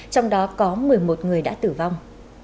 trong đó có một mươi một người đã tử vong